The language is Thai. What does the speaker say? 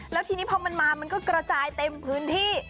แล้วทีนี้พอมันมามันก็กระจายเต็มพื้นที่